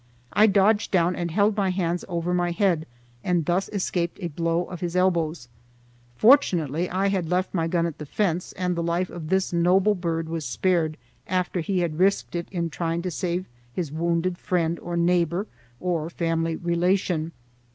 I dodged down and held my hands over my head, and thus escaped a blow of his elbows. Fortunately I had left my gun at the fence, and the life of this noble bird was spared after he had risked it in trying to save his wounded friend or neighbor or family relation.